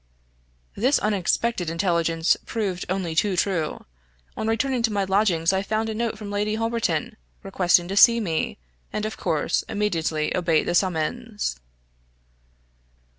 This unexpected intelligence proved only too true. On returning to my lodgings, I found a note from Lady Holberton, requesting to see me, and, of course, immediately obeyed the summons.